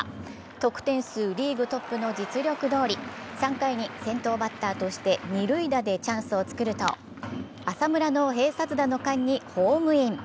得点数、リーグトップの実力どおり３回に先頭バッターとして二塁打でチャンスを作ると浅村の併殺打の間にホームイン。